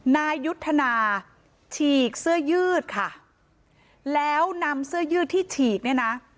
นายยุทธนาฉีกเสื้อยืดค่ะแล้วนำเสื้อยืดที่ฉีกเนี่ยนะ